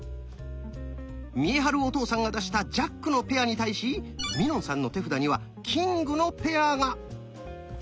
見栄晴お父さんが出した「ジャック」のペアに対しみのんさんの手札には「キング」のペアが。